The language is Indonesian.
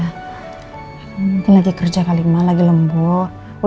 aku mungkin lagi kerja kali malem lagi lembur